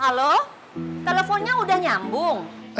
halo teleponnya udah nyambung